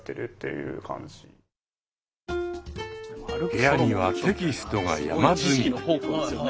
部屋にはテキストが山積み。